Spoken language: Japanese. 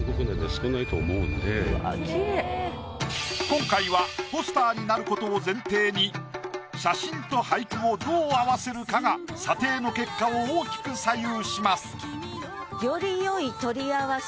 今回はポスターになることを前提に写真と俳句をどう合わせるかが査定の結果を大きく左右します。